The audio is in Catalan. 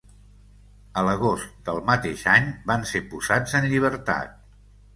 A l'agost del mateix any van ser posats en llibertat.